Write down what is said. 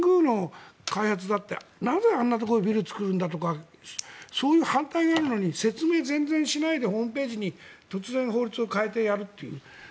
もう一回言いますが神宮の開発だってなぜ、あんなところにビルを作るんだとかそういう反対があるのに説明を全然しないでホームページに突然法律を変えてやるっていう。